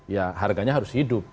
ya harganya harus hidup